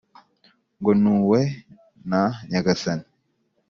ngo ntuwe na nyagasani.